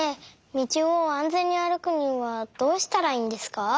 道を安全に歩くにはどうしたらいいんですか？